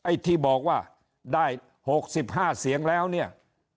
ไอ้ที่บอกว่าได้๖๕เสียงแล้วเนี่ย